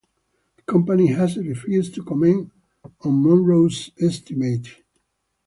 The company has refused to comment on Munroe's estimate.